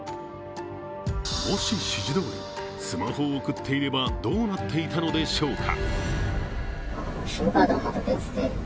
もし指示どおりスマホを送っていれば、どうなっていたのでしょうか。